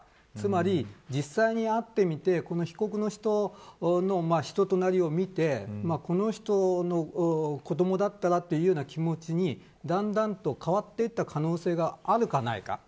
つまり、実際に会ってみてこの被告の人の人となりを見てこの人の子どもだったらという気持ちにだんだんと変わっていった可能性が、あるかないか。